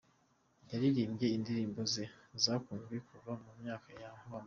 Yaririmbye indirimbo ze zakunzwe kuva mu myaka yo hambere